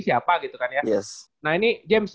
siapa gitu kan ya nah ini james